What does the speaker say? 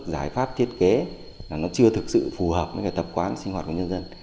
giải pháp thiết kế là nó chưa thực sự phù hợp với tập quán sinh hoạt của nhân dân